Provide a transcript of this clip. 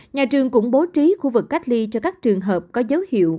nhà trường cũng bố trí khu vực cách ly cho các trường hợp có dấu hiệu